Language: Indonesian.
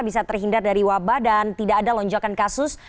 bisa terhindar dari wabah dan tidak ada lonjakan kasus